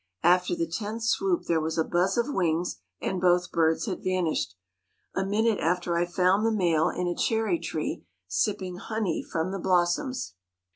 After the tenth swoop there was a buzz of wings and both birds had vanished. A minute after I found the male in a cherry tree sipping honey from the blossoms.